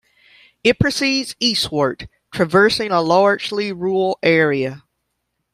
It proceeds eastward, traversing a largely rural area.